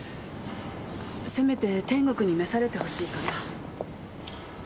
せめて天国に召されてほしいから。